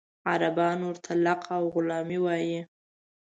عربان ورته لق او غلامي وایي.